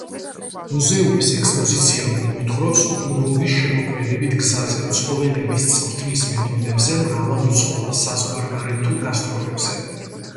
მუზეუმის ექსპოზიცია მოგვითხრობს დუროვის შემოქმედებით გზაზე, ცხოველების წვრთნის მეთოდებზე, მრავალრიცხოვან საზღვარგარეთულ გასტროლებზე.